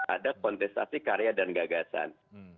ada kontestasi karya dan gagasan